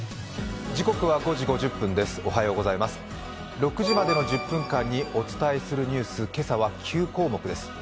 ６時までの１０分間にお伝えするニュース、今朝は９項目です。